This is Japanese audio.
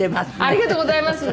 ありがとうございます。